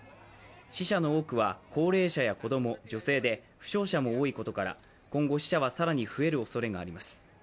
死者の多くは高齢者、子供、女性で負傷者も多いことから、今後死者は更に増えるおそれがあります。